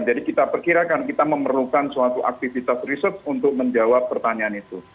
jadi kita perkirakan kita memerlukan suatu aktivitas riset untuk menjawab pertanyaan itu